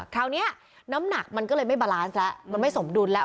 คราวนี้น้ำหนักมันก็เลยไม่บาลานซ์แล้วมันไม่สมดุลแล้ว